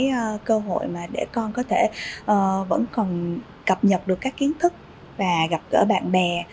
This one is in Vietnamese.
cái cơ hội mà để con có thể vẫn còn cập nhật được các kiến thức và gặp gỡ bạn bè